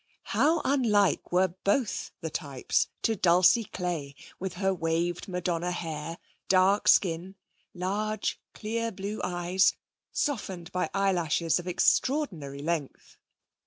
How unlike were both the types to Dulcie Clay, with her waved Madonna hair, dark skin, large, clear blue eyes, softened by eyelashes of extraordinary length.